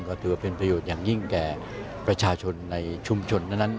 ก็ถือว่าเป็นประโยชน์อย่างยิ่งแก่ประชาชนในชุมชนนั้น